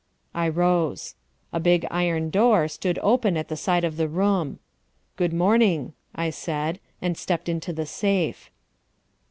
I rose. A big iron door stood open at the side of the room. "Good morning," I said, and stepped into the safe.